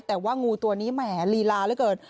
แต่ว่างูตัวนี้แหมลีลาเหลือเกิน